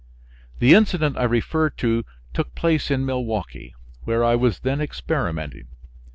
The incident I refer to took place in Milwaukee, where I was then experimenting.